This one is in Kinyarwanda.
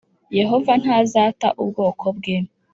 Yehova ntazata ubwoko bwe